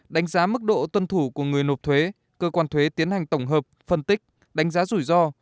đánh giá mức độ tuân thủ của người nộp thuế cơ quan thuế tiến hành tổng hợp phân tích đánh giá rủi ro